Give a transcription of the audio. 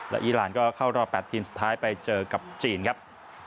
และอีรานก็เข้ารอบ๘ทีมสุดท้ายไปเจอกับจีนครับ